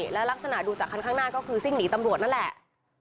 และลักษณะดูจากคันข้างหน้าก็คือซิ่งหนีตำรวจนั่นแหละ